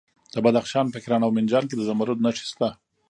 د بدخشان په کران او منجان کې د زمرد نښې شته.